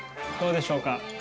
どうでしょうか。